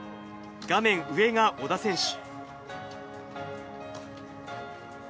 画面上が小田選手。